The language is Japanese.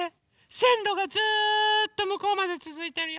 せんろがずっとむこうまでつづいてるよ。